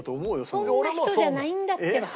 そんな人じゃないんだってば。